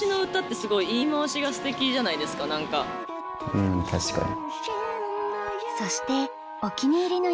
うん確かに。